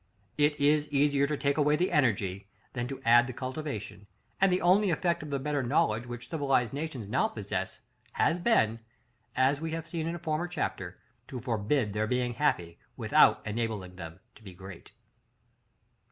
It is easier to take away the energy, than to add the cultivation; and the only effect of the better knowledge which civilized nations now possess, has been, as we have seen in a former chapter, to forbid their being happy, without enabling them to be great.